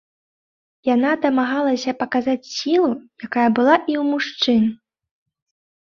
Яна дамагалася паказаць сілу, якая была і ў мужчын.